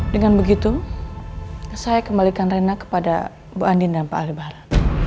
dengan begitu saya kembalikan rena kepada bu andi dan pak alibara